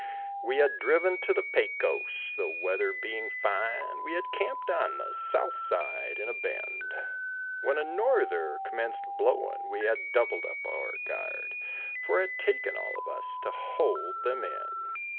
We had driven to the Pecos, the weather being fine; We had camped on the south side in a bend; When a norther commenced blowin', we had doubled up our guard, For it taken all of us to hold them in.